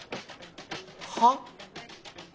はっ？